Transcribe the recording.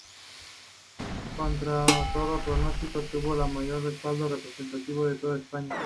Contra todo pronóstico, tuvo el mayor respaldo representativo de toda España.